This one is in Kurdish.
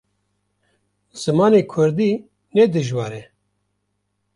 Zimanê Kurdî ne dijwar e.